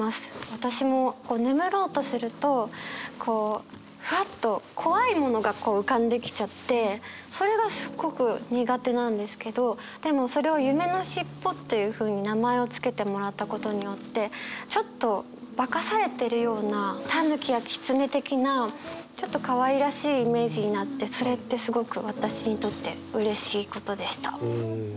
私も眠ろうとするとこうふわっと怖いものがこう浮かんできちゃってそれがすっごく苦手なんですけどでもそれを「夢のしっぽ」というふうに名前を付けてもらったことによってちょっと化かされてるようなたぬきやきつね的なちょっとかわいらしいイメージになってそれってすごく私にとってうれしいことでした。